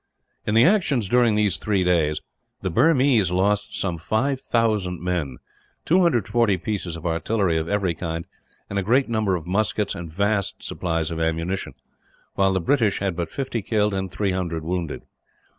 In the actions during these three days, the Burmese lost some 5000 men, 240 pieces of artillery of every kind, and a great number of muskets and vast supplies of ammunition; while the British had but 50 killed and 300 wounded.